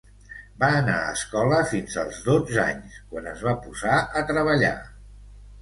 Va anar a escola fins als dotze anys, quan es va posar a treballar.